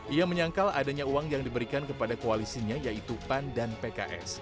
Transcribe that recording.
ia menyangkal adanya uang yang diberikan kepada koalisinya yaitu pan dan pks